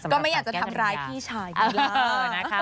ก็ไม่อยากจะทำร้ายพี่ชายอยู่แล้ว